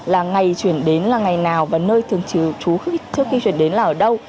là ngày chuyển đến là ngày nào và nơi thường trú trước khi chuyển đến là ở đâu